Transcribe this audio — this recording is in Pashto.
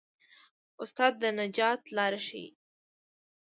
استاد د نجات لار ښيي.